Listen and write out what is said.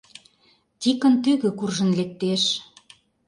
Тикын тӱгӧ куржын лектеш.